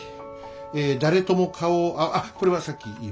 え誰とも顔をあっこれはさっき言いました。